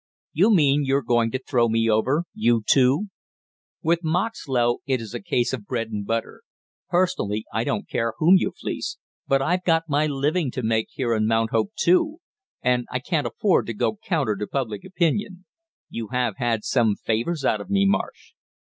"You mean you are going to throw me over, you two?" "With Moxlow it is a case of bread and butter; personally I don't care whom you fleece, but I've got my living to make here in Mount Hope, too, and I can't afford to go counter to public opinion." "You have had some favors out of me, Marsh."